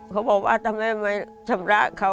เขาบอกว่าทำไมไม่ชำระเขา